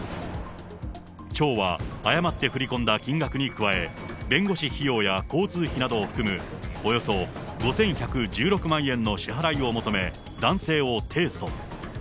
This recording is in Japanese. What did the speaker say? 町は、誤って振り込んだ金額に加え、弁護士費用や交通費などを含む、およそ５１１６万円の支払いを求め、男性を提訴。